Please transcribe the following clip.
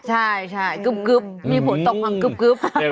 ใช่กึบมีผลต่อมากกึบกึบ